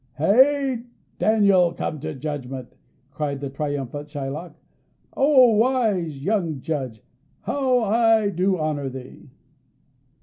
"A Daniel come to judgment!" cried the triumphant Shylock. "O wise young judge, how I do honour thee!"